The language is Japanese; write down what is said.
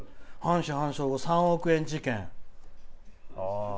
半死半生語「三億円事件」。